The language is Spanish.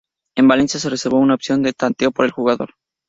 El Valencia se reservó una opción de tanteo por el jugador.